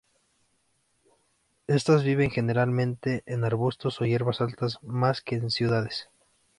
Estas viven generalmente en arbustos o hierbas altas, más que en ciudades.